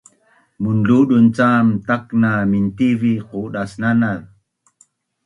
Munludun cam takna mintivi qudasnanaz